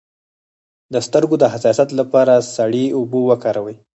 د سترګو د حساسیت لپاره سړې اوبه وکاروئ